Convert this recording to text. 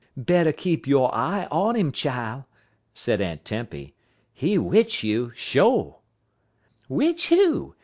"Better keep yo' eye on 'im, chile," said Aunt Tempy. "He 'witch you, sho'." "'Witch who?